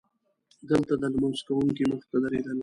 دلته د لمونځ کوونکي مخې ته تېرېدل.